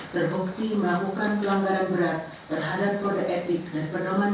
terbukti melakukan pelanggaran berat berhadap kode etik dan penolakan